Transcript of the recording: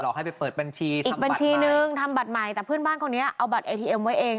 ให้ไปเปิดบัญชีอีกบัญชีนึงทำบัตรใหม่แต่เพื่อนบ้านคนนี้เอาบัตรเอทีเอ็มไว้เอง